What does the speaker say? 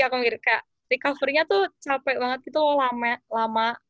aku mikir kayak recovery nya tuh capek banget gitu lama